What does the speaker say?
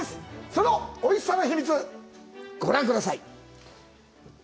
そのおいしさの秘密ご覧ください